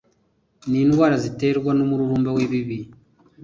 nindwara ziterwa numururumba wibibi